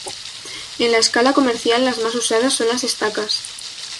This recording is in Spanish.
En la escala comercial las más usadas son las estacas.